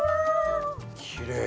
きれい